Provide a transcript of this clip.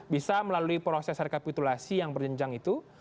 bisa melalui proses rekapitulasi yang berjenjang itu